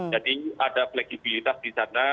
jadi ada flekibilitas di sana